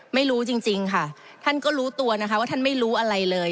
ไม่รู้จริงค่ะท่านก็รู้ตัวนะคะว่าท่านไม่รู้อะไรเลย